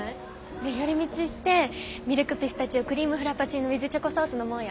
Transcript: で寄り道してミルクピスタチオクリームフラパチーノＷＩＴＨチョコソース飲もうよ。